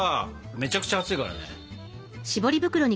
めちゃくちゃ熱いからね。